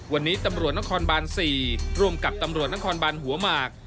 วันนี้ตำรวจนครบาน๔ร่วมกับตำรวจนครบานหัวหมาก